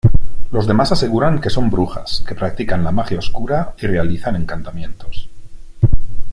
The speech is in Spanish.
Los demás aseguran que son brujas, que practican la magia oscura y realizan encantamientos.